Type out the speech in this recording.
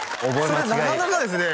間違いそれなかなかですね